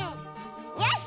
よし！